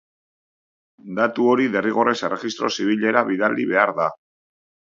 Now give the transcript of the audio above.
Datu hori derrigorrez erregistro zibilera bidali behar da.